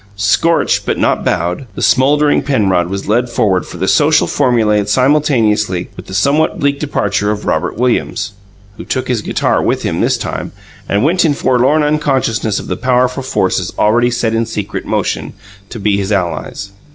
Scorched but not bowed, the smouldering Penrod was led forward for the social formulae simultaneously with the somewhat bleak departure of Robert Williams, who took his guitar with him, this time, and went in forlorn unconsciousness of the powerful forces already set in secret motion to be his allies.